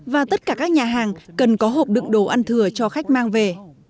và tất cả các nhà hàng cần có hộp đựng đồ ăn thừa cho khách mang về